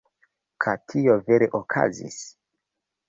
Ka tio vere okazis.